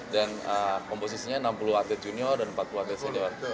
dan komposisinya enam puluh atlet junior dan empat puluh atlet senior